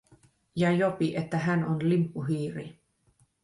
Ja Jopi, että hän on limppuhiiri.